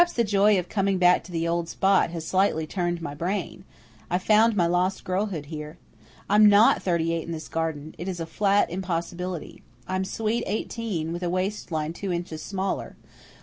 Perhaps the joy of coming back to the old spot has slightly turned my brain, I've found my lost girlhood here. I'm NOT thirty eight in this garden it is a flat impossibility. I'm sweet eighteen, with a waist line two inches smaller.